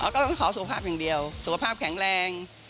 ก็ต้องขอสุขภาพอย่างเดียวสุขภาพแข็งแรง